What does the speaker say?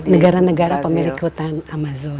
negara negara pemilik hutan amazon